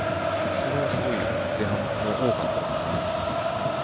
それはすごく前半も多かったです。